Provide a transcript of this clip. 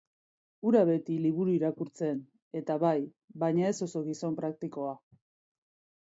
Hura beti liburu irakurtzen-eta bai, baina ez oso gizon praktikoa.